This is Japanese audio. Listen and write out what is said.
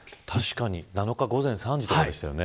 ７日午前３時のところでしたよね。